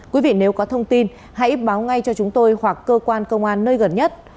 quý vị nếu có thông tin hãy báo ngay cho chúng tôi hoặc cơ quan công an nơi gần nhất